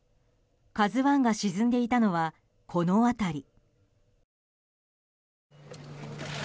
「ＫＡＺＵ１」が沈んでいたのはこの辺り。